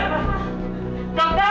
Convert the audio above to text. nenek udah sadar